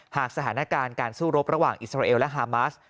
หากสถานการณ์การสู้รบระหว่างอิสราเอลและฮามาส